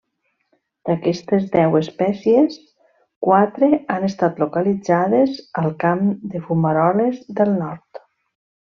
D'aquestes deu espècies, quatre han estat localitzades al camp de fumaroles del nord.